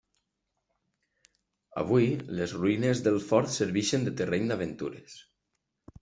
Avui, les ruïnes del fort serveixen de terreny d'aventures.